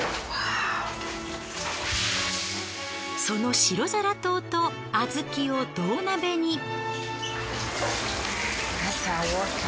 その白双糖と小豆を銅鍋に。